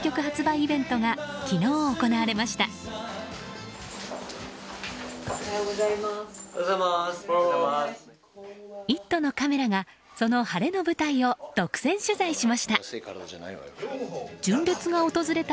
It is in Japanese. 「イット！」のカメラがその晴れの舞台を独占取材しました。